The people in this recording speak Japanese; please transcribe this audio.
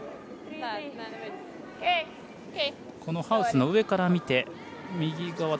ハウスの上から見て右側。